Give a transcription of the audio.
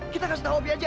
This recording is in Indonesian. kita kasih tau opi aja